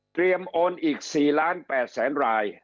เตรียมโอนอีก๔๘ล้านลาย